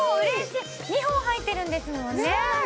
嬉しい２本入ってるんですもんね